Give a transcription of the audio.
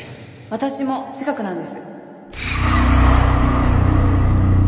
私も近くなんです